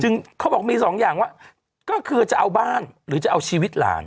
เขาบอกมีสองอย่างว่าก็คือจะเอาบ้านหรือจะเอาชีวิตหลาน